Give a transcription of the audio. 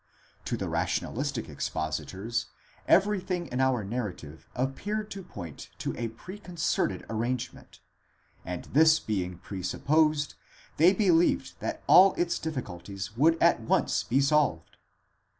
To the rationalistic expositors everything in our narrative appeared to point to a preconcerted arrangement; and this being presupposed, they believed that all its difficulties would at once be solved.